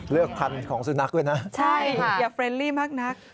เลือกคันของสูดนักด้วยนะยากเฟรนลี่มาก